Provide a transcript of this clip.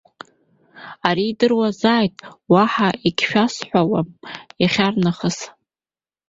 Ари идыруазааит, уаҳа егьшәасҳәауам иахьарнахыс.